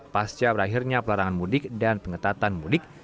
pasca berakhirnya pelarangan mudik dan pengetatan mudik